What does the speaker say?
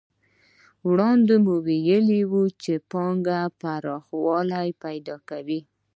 وړاندې مو وویل چې پانګه پراخوالی پیدا کوي